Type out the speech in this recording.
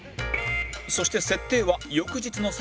そして設定は翌日の３時